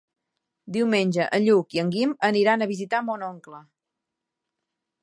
Diumenge en Lluc i en Guim aniran a visitar mon oncle.